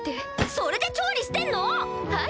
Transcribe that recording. それで調理してんの⁉はい！